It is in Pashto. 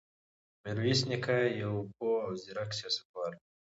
میرویس نیکه یو پوه او زیرک سیاستوال و.